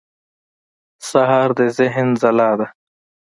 سهار د ذهن ځلا ده.